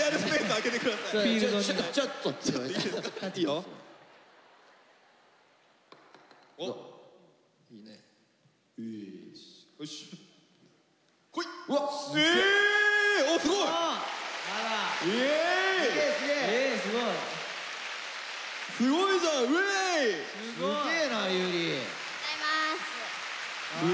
ありがとうございます。